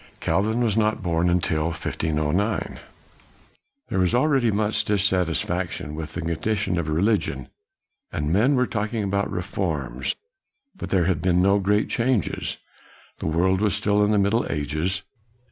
Calvin was not born till 1509. There was already much dissatisfaction with the condition of religion, and men were talking about reforms, but there had been no great changes. The world was still in the Middle Ages.